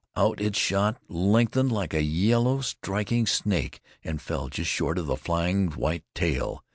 Out it shot, lengthened like a yellow, striking snake, and fell just short of the flying white tail.